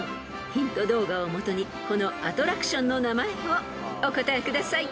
［ヒント動画をもとにこのアトラクションの名前をお答えください］